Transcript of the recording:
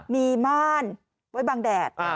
มีม่านไว้บางแดด